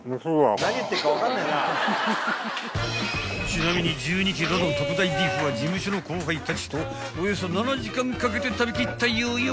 ［ちなみに１２ｋｇの特大ビーフは事務所の後輩たちとおよそ７時間かけて食べきったようよ］